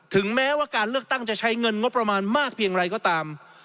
แม้ว่าการเลือกตั้งจะใช้เงินงบประมาณมากเพียงไรก็ตาม